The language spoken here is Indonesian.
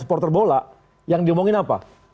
supporter bola yang diomongin apa